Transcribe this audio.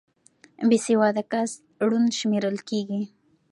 بې سواده کس ړوند شمېرل کېږي